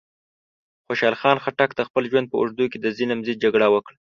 خوشحال خان خټک د خپل ژوند په اوږدو کې د ظلم ضد جګړه وکړه.